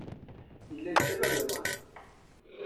Yella yettaggad iḍan.